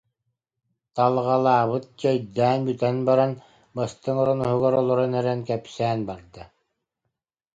Талҕалаабыт чэйдээн бүтэн баран, бастыҥ орон уһугар олорон эрэн кэпсээн барда